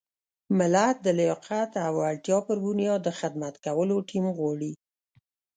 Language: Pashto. ملت د لیاقت او وړتیا پر بنیاد د خدمت کولو ټیم غواړي.